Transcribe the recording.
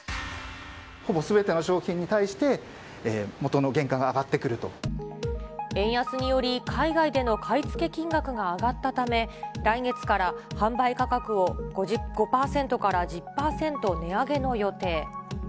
ほぼすべての商品に対して、円安により、海外での買い付け金額が上がったため、来月から販売価格を５％から１０％値上げの予定。